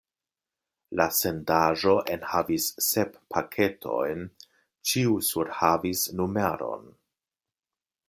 La sendaĵo enhavis sep paketojn, ĉiu surhavis numeron.